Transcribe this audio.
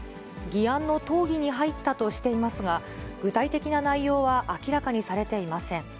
議案の討議に入ったとしていますが、具体的な内容は明らかにされていません。